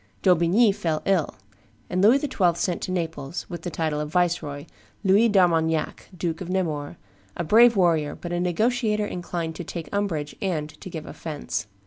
D'Aubigny fell ill; and Louis XII. sent to Naples, with the title of viceroy, Louis d'Armagnac, Duke of Nemours, a brave warrior, but a negotiator inclined to take umbrage and to give offence.